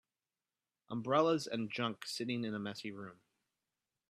Umbrellas and junk sitting in a messy room